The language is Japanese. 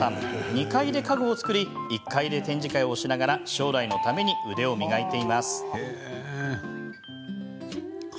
２階で家具を作り１階で展示会をしながら将来のために腕を磨いています。